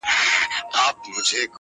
هغه مئین خپل هر ناهیلي پل ته رنگ ورکوي،